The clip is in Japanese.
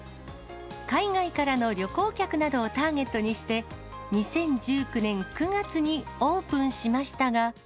海外からの旅行客などをターゲットにして、２０１９年９月にオープンしましたが。